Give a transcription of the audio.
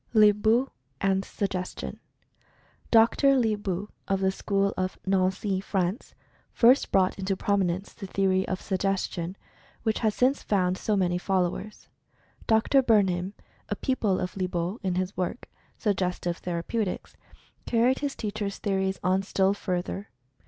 LIEBAULT AND SUGGESTION. Dr. Liebault, of the School of Nancy, France, first brought into prominence the theory of "Suggestion," which has since found so many followers. Dr. Bern Story of Mental Fascination 35 heim, a pupil of Liebault, in his work "Suggestive Therapeutics," carried his teacher's theories on still further.